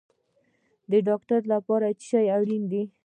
د ډاکټر لپاره څه شی اړین دی؟